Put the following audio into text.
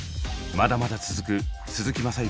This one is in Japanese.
まだまだ続く鈴木雅之